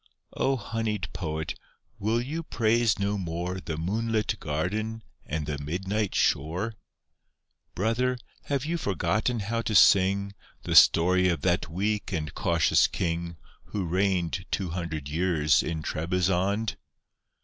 O honeyed Poet, will you praise no more The moonlit garden and the midnight shore? Brother, have you forgotten how to sing The story of that weak and cautious king Who reigned two hundred years in Trebizond?